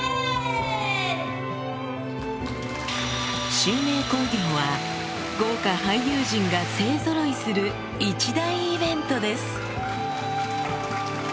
襲名興行は豪華俳優陣が勢ぞろいする一大イベントです